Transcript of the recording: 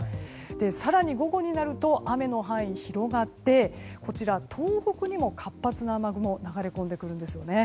更に、午後になると雨の範囲が広がって東北にも活発な雨雲が流れ込んでくるんですよね。